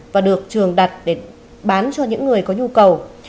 và được trường đặt để bán cho những người có nhu cầu